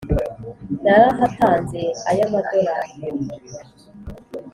Narahatanze ay' amadolari